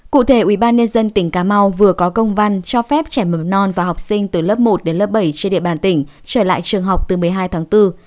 cụ thể ubnd tỉnh cà mau vừa có công văn cho phép trẻ mầm non và học sinh từ lớp một đến lớp bảy trên địa bàn tỉnh trở lại trường học từ một mươi hai tháng bốn